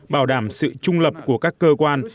bảo đảm sự trung lập của các cơ quan